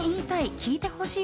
聞いてほしい！